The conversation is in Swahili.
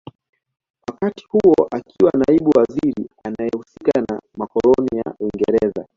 Wakati huo akiwa naibu waziri anaehusika na makoloni ya Uingereza